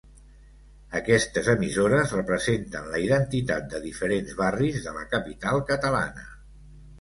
Aquestes emissores representen la identitat de diferents barris de la capital catalana.